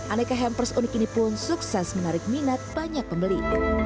aneka hampers unik ini pun sukses menarik minat banyak pembeli